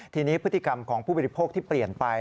ทีนี้พฤติกรรมของผู้บริโภคที่เปลี่ยนไป